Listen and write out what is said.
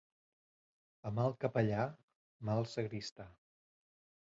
A mal capellà, mal sagristà.